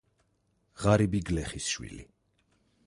ღარიბი გლეხის შვილი.